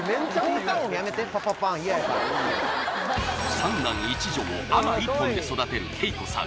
三男一女を海女一本で育てる慶子さん